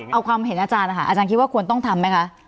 เอาความเห็นอาจารย์นะคะอาจารย์คิดว่าควรต้องทำไหมคะ